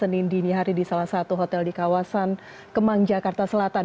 dia sudah berada di salah satu hotel di kawasan kemang jakarta selatan